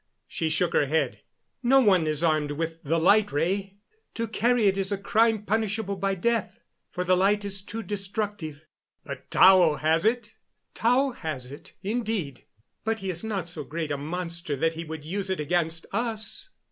She shook her head. "No one is armed with the light ray. To carry it is a crime punishable by death, for the light is too destructive." "But Tao has it?" "Tao has it, indeed, but he is not so great a monster that he would use it against us."